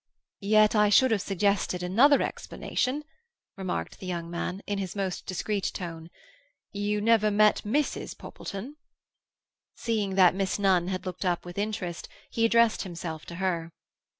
"Yet I should have suggested another explanation," remarked the young man, in his most discreet tone, "You never met Mrs. Poppleton?" Seeing that Miss Nunn had looked up with interest, he addressed himself to her.